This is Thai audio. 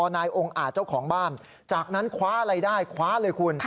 นายองค์อาจเจ้าของบ้านจากนั้นคว้าอะไรได้คว้าเลยคุณ